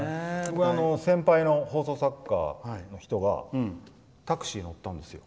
先輩の放送作家の人がタクシー乗ったんですよ。